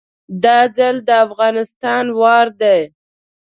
دا ځل د افغانستان وار دی